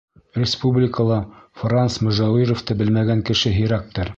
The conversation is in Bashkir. Республикала Франс Мөжәүировты белмәгән кеше һирәктер.